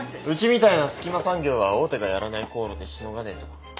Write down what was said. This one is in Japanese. うちみたいな隙間産業は大手がやらない航路でしのがねえと。